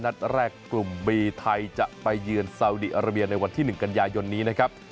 นัดแรกกลุ่มบีไทยจะไปเยือนซาวดีอาราเบียในวันที่๑กันยายนนี้นะครับ